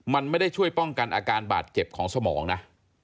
มันไม่ได้ช่วยป้องกันอาการบาดเจ็บของสมองนะ